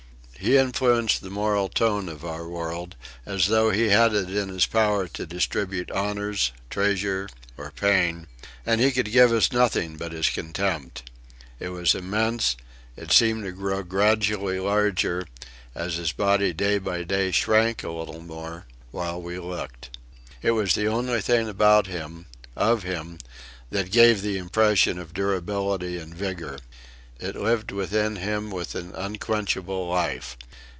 He influenced the moral tone of our world as though he had it in his power to distribute honours, treasures, or pain; and he could give us nothing but his contempt. It was immense; it seemed to grow gradually larger, as his body day by day shrank a little more, while we looked. It was the only thing about him of him that gave the impression of durability and vigour. It lived within him with an unquenchable life.